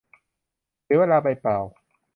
เสียเวลาไปเปล่า